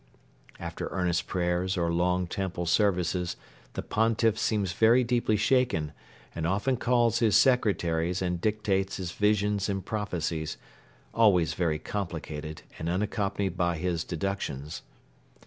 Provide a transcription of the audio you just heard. After earnest prayers or long temple services the Pontiff seems very deeply shaken and often calls his secretaries and dictates his visions and prophecies, always very complicated and unaccompanied by his deductions.